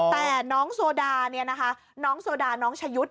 แต่น้องโซดาเนี่ยนะคะน้องโซดาน้องชายุทธ์